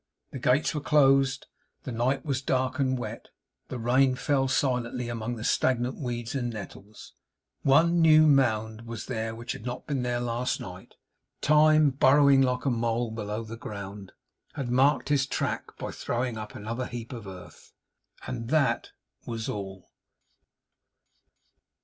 The gates were closed; the night was dark and wet; the rain fell silently, among the stagnant weeds and nettles. One new mound was there which had not been there last night. Time, burrowing like a mole below the ground, had marked his track by throwing up another heap of earth. And that was all.